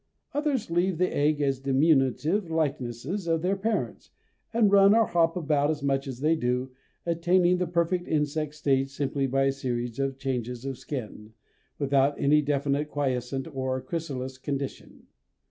Others leave the egg as diminutive likenesses of their parents, and run or hop about much as they do, attaining the perfect insect stage simply by a series of changes of skin, without any definite quiescent or chrysalis condition.